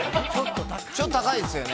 ちょっと高いですよね。